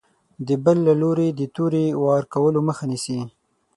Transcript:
د بل له لوري د تورې د وار کولو مخه نیسي.